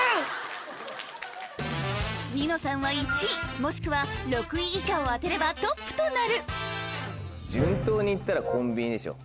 ニノさんは１位もしくは６位以下を当てればトップとなる順当に行ったらコンビニでしょ。